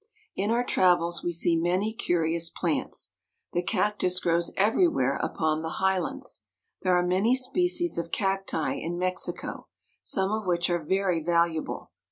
In our travels we see many curious plants. The cactus grows everywhere upon the highlands. There are many species of cacti in Mexico, some of which are very valu able.